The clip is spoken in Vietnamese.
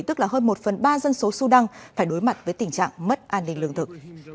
tức là hơn một phần ba dân số sudan phải đối mặt với tình trạng mất an ninh lương thực